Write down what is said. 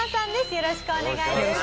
よろしくお願いします。